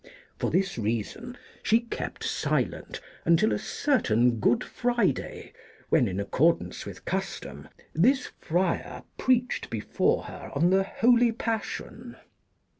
For this reason she kept silent until a certain Good Friday, when, in accordance with custom, this friar preached before her on the Holy Passion.